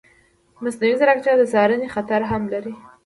مصنوعي ځیرکتیا د څارنې خطر هم لري.